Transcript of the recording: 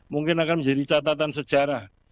mungkin akan menjadi catatan sejarah